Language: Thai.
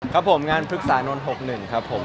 ครับงานพฤกษานวล๖๑ครับผม